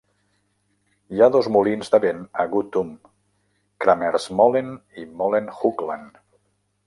Hi ha dos molins de vent a Goutum, "Kramersmolen" i "Molen Hoogland".